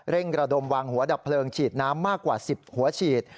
ระดมวางหัวดับเพลิงฉีดน้ำมากกว่า๑๐หัวฉีด